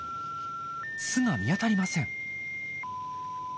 巣が見当たりません。